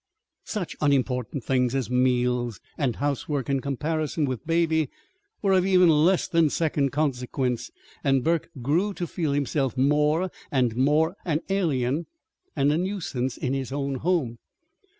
Such unimportant things as meals and housework, in comparison with Baby, were of even less than second consequence; and Burke grew to feel himself more and more an alien and a nuisance in his own home.